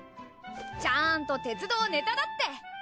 ちゃんと鉄道ネタだって。